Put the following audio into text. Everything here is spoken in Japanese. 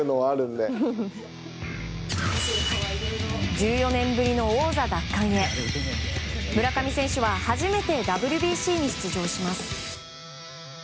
１４年ぶりの王座奪還へ村上選手は初めてＷＢＣに出場します。